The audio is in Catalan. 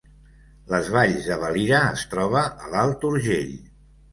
Les Valls de Valira es troba a l’Alt Urgell